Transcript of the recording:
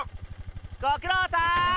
ごくろうさん！